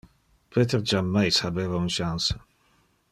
Peter jammais habeva un chance.